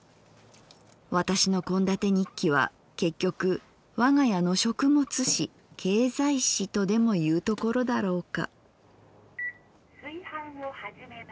私の献立日記は結局わが家の食物史経済史とでもいうところだろうか」。